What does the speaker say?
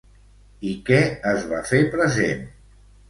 I què es va fer present?